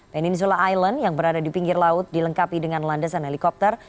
peninsula island yang berada di pinggir laut dilengkapi dengan landasan helikopter